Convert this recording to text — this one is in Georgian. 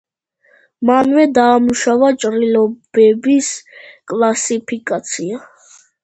მანვე დაამუშავა ჭრილობების კლასიფიკაცია.